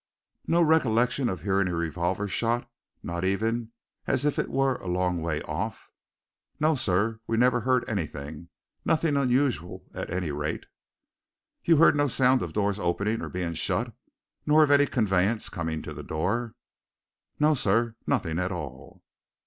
"No recollection of hearing a revolver shot? not even as if it were a long way off?" "No, sir we never heard anything nothing unusual, at any rate." "You heard no sound of doors opening or being shut, nor of any conveyance coming to the door?" "No, sir, nothing at all."